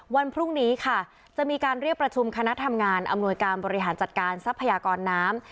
วันพรุ่งนี้ค่ะจะมีการเรียกประชุมคณะทำงานอำนวยการบริหารจัดการทรัพยากรน้ำ